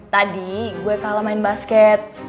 tadi gue kalah main basket